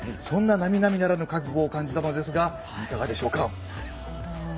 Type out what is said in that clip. そんな、なみなみならぬ覚悟を感じたのですがいかがでしょうか。